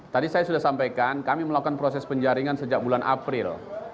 tadi saya sudah sampaikan kami melakukan proses penjaringan sejak bulan april